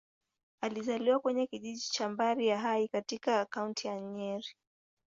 Alizaliwa kwenye kijiji cha Mbari-ya-Hwai, katika Kaunti ya Nyeri.